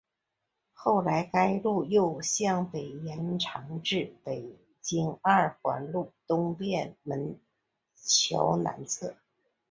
后来该路又向北延长至北京二环路东便门桥南侧。